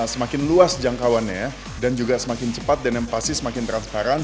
semakin luas jangkauannya dan juga semakin cepat dan yang pasti semakin transparan